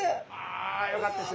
あよかったです。